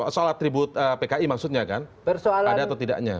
soal atribut pki maksudnya kan ada atau tidaknya